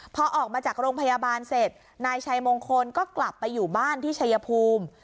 พอออกมาจากโรงพยาบาลเสร็จนายชัยมงคลก็กลับไปอยู่บ้านที่ชัยภูมิ